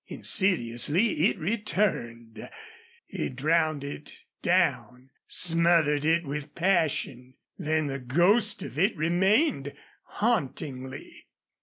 Insidiously it returned. He drowned it down smothered it with passion. Then the ghost of it remained, hauntingly.